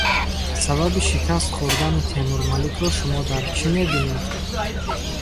Сабаби шикаст хӯрдани Темурмаликро шумо дар чӣ мебинед?